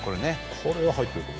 これは入ってると思う